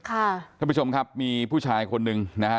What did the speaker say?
ท่านผู้ชมครับมีผู้ชายคนหนึ่งนะฮะ